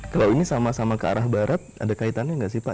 kalau ini sama sama ke arah barat ada kaitannya nggak sih pak